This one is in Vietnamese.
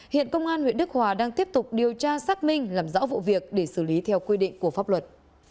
hiện công an huyện đức hòa đang tiếp tục điều tra xác minh làm rõ vụ việc để xử lý theo quy định của pháp luật